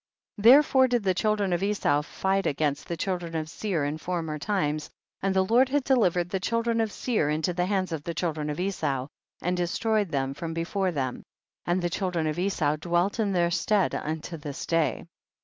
5. Therefore did the children of Esau fight against the children of Seir in former times, and the Lord had delivered the children of Seir into tlie hands of the children of Esau, and destroyed them from before them, and the children of Esau dwelt in their stead unto this day.